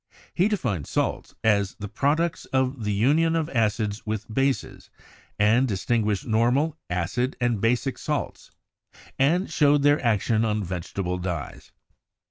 He defined salts as the products of the union of acids with bases, and distinguished normal, acid and basic salts, and showed 136 CHEMISTRY their action on vegetable dyes.